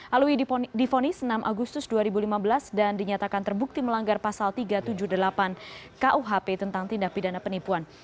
alwi difonis enam agustus dua ribu lima belas dan dinyatakan terbukti melanggar pasal tiga ratus tujuh puluh delapan kuhp tentang tindak pidana penipuan